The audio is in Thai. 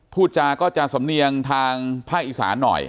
พูดจาก็จะสำเนียงทางภาคอีสานหน่อย